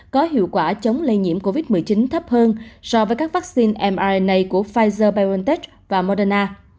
có hiệu quả chống lây nhiễm covid một mươi chín thấp hơn so với các vaccine mrna của pfizer biontech và moderna